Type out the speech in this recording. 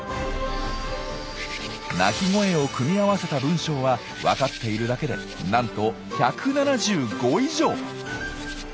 鳴き声を組み合わせた文章は分かっているだけでなんと１７５以上！